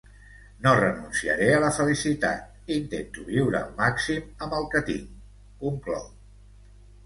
No renunciaré a la felicitat, intento viure al màxim amb el que tinc, conclou.